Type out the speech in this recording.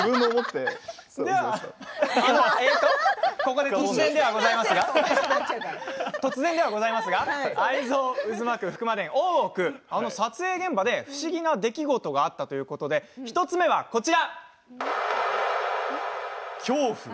ここで突然ではございますが愛憎渦巻く伏魔殿大奥、撮影現場で不思議な出来事があったということで１つ目はこちらです。